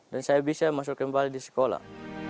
dan saya bisa masuk kembali di sekolah